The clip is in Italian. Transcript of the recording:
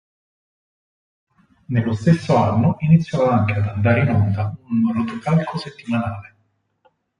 Nello stesso anno iniziò anche ad andare in onda un rotocalco settimanale.